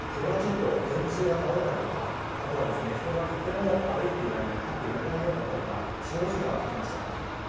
電柱が倒れたり、人がとても歩いていられない立っていられないような風が長時間吹きました。